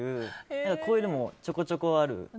こういうのもちょくちょくあるんです。